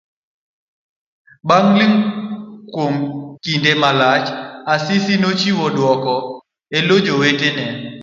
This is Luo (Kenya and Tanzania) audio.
Bang' ling kuom kinde malach. Asisi nochiwo dwoko elo jowetene.